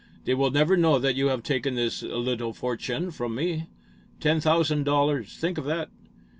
They will never know that you have taken this little fortune from me. Ten thousand dollars! Think of that!"